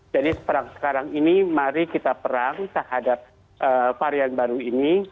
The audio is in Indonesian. jadi perang sekarang ini mari kita perang terhadap varian baru ini